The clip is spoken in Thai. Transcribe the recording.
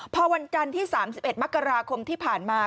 พอวันจันทร์ที่๓๑มกราคมที่ผ่านมา